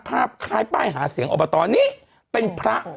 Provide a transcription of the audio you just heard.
ภาพคล้ายป้ายหาเสียงอบตนี้เป็นพระ